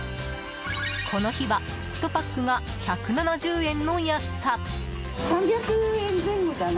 この日は１パックが１７０円の安さ。